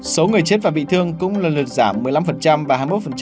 số người chết và bị thương cũng lần lượt giảm một mươi năm và hai mươi một